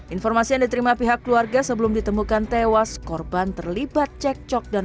informasi yang diterima pihak keluarga sebelum ditemukan tewas korban terlibat cekcok dan